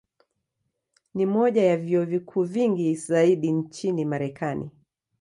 Ni moja ya vyuo vikuu vingi zaidi nchini Marekani.